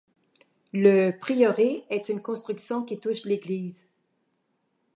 Le prieuré est une construction qui touche l'église.